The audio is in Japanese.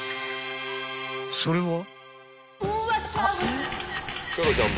［それは］